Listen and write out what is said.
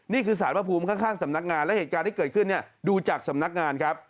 นี่คือสารพระภูมิข้างสำนักงานและเหตุการณ์ที่เกิดขึ้นเนี่ยดูจากสำนักงานครับ